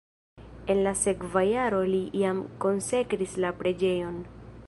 En la sekva jaro li jam konsekris la preĝejon.